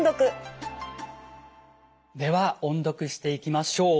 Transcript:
では音読していきましょう。